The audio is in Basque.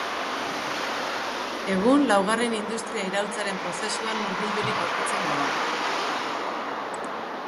Egun, laugarren industria iraultzaren prozesuan murgildurik aurkitzen gara.